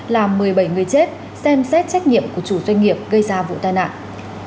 làm một mươi bảy người chết xem xét trách nhiệm của chủ doanh nghiệp gây ra vụ tai nạn